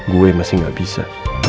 gue masih gak bisa